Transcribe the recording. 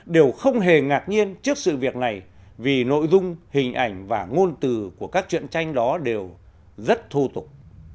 đều không hề ngạc nhiên trước sự việc này vì nội dung hình ảnh và ngôn từ của các chuyện tranh đó đều rất thô tục